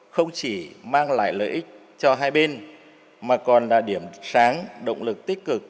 không chỉ mang lại lợi ích cho hai bên mà còn là điểm sáng động lực tích cực